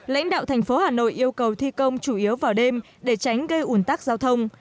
lãnh đạo thành phố hà nội yêu cầu thi công chủ yếu vào đêm để tránh gây ủn tắc giao thông